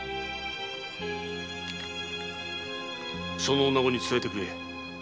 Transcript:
その女ごに伝えてくれ。